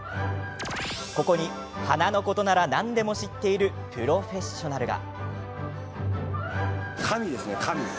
ここに、花のことなら何でも知っているプロフェッショナルが。